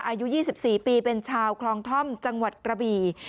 อายุ๒๔ปีเป็นชาวคลองท่อมจังหวัดกระบี่